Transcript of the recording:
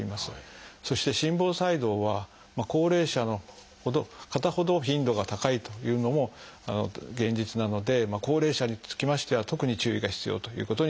そして心房細動は高齢者の方ほど頻度が高いというのも現実なので高齢者につきましては特に注意が必要ということになります。